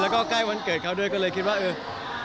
แล้วก็ใกล้วันเกิดเขาด้วยก็เลยคิดว่าเออ